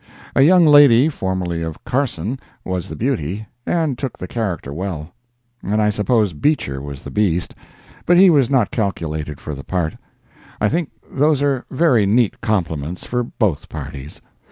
A young lady, formerly of Carson, was the Beauty, and took the character well; and I suppose Beecher was the Beast, but he was not calculated for the part. I think those are very neat compliments for both parties.